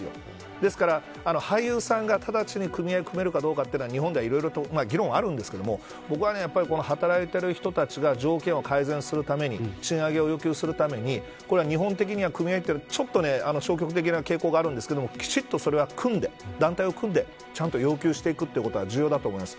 ですから俳優さんが直ちに組合を組めるかどうかは日本では、いろいろと議論があるんですが僕は、働いている人たちが条件を改善するために賃上げを要求するためにこれは日本的には組合は消極的な傾向があるんですがきちんとそれは団体を組んで要求していくということは重要だと思います。